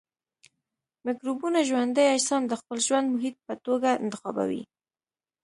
مکروبونه ژوندي اجسام د خپل ژوند محیط په توګه انتخابوي.